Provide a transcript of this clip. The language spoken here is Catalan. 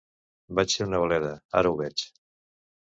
Vaig ser una bleda, ara ho veig.